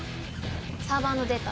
サーバーのデータ